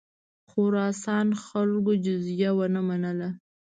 خراسان خلکو جزیه ونه منله.